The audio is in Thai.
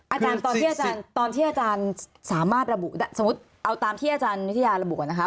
อาจารย์ตอนที่อาจารย์สามารถระบุสมมติเอาตามที่อาจารย์วิทยารบุก่อนนะคะ